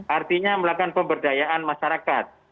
artinya melakukan pemberdayaan masyarakat